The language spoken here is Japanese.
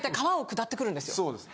そうです。